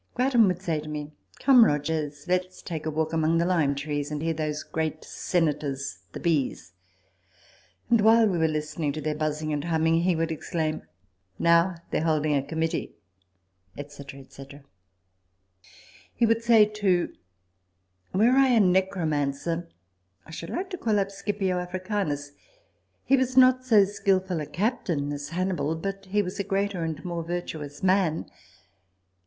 Grattan would say to me, " Come, Rogers, let's take a walk among the lime trees, and hear those great senators, the bees "; and, while we were listening to their buzzing and humming, he would exclaim, " Now, they are holding a committee," &c. &c. He would say, too, " Were I a necromancer, I should like to call up Scipio Africanus : he was not so skilful a captain as Hannibal ; but he was a greater and more virtuous man.